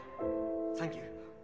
サンキュー